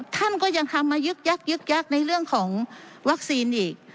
ท่านก็ยังทำมายึกยักยึกยักษ์ในเรื่องของวัคซีนอีก